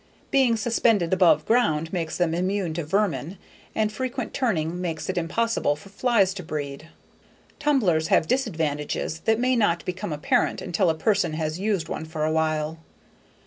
Being suspended above ground makes them immune to vermin and frequent turning makes it impossible for flies to breed. Tumblers have disadvantages that may not become apparent until a person has used one for awhile.